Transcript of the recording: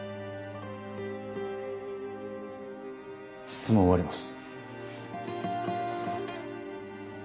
質問を終わります。